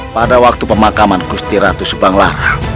pada waktu pemakaman gusti ratu subang lara